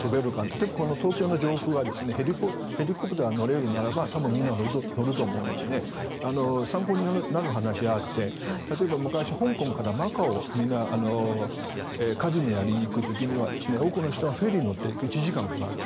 例えば東京の上空はヘリコプター乗れるならば多分みんな乗ると思うので参考になる話があって例えば、昔、香港からマカオにみんなカジノをやりに行く時には多くの人はフェリーに乗って１時間かかる。